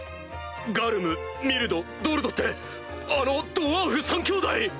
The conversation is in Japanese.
ガルムミルドドルドってあのドワーフ３兄弟？